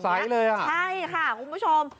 ใช่ค่ะคุณผู้ชม